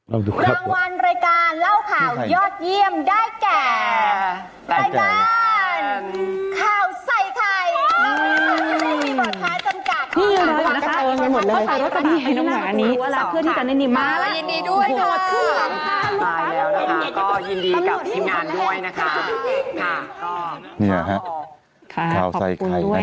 รางวัลรายการเล่าข่าวยอดเยี่ยมได้แก่